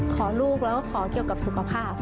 ขอลูกแล้วก็ขอเกี่ยวกับสุขภาพ